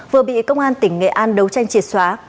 vừa bị công an tỉnh nghệ an đấu tranh triệt xóa